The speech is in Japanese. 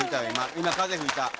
今風吹いた。